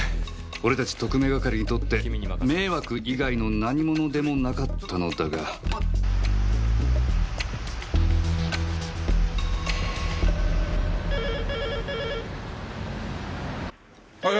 俺たち特命係にとって迷惑以外の何ものでもなかったのだがはいよ！